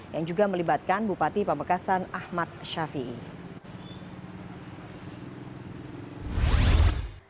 yang juga melibatkan bupati pamekasan ahmad syafiee